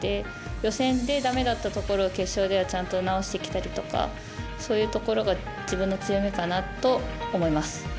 予選でだめだったところを決勝ではちゃんと直してきたりとかそういうところが自分の強みかなと思います。